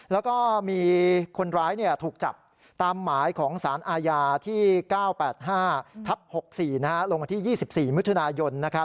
แล้วก็มีคนร้ายถูกจับตามหมายของสารอาญาที่๙๘๕ทับ๖๔ลงวันที่๒๔มิถุนายน